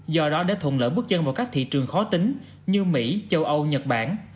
do đó đã thùng lỡ bước chân vào các thị trường khó tính như mỹ châu âu nhật bản